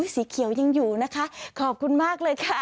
สีเขียวยังอยู่นะคะขอบคุณมากเลยค่ะ